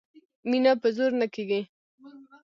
مینه په زور نه کېږي